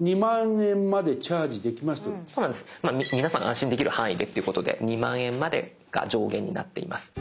皆さん安心できる範囲でっていうことで２万円までが上限になっています。